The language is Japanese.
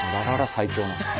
最強なんで。